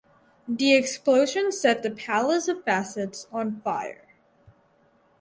The explosion set the Palace of Facets on fire.